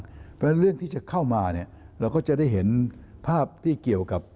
เพราะฉะนั้นเรื่องที่จะเข้ามาเนี่ยเราก็จะได้เห็นภาพที่เกี่ยวกับ